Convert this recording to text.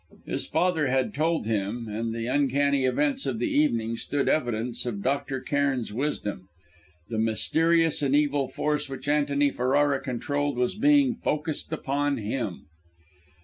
His father had told him, and the uncanny events of the evening stood evidence of Dr. Cairn's wisdom. The mysterious and evil force which Antony Ferrara controlled was being focussed upon him!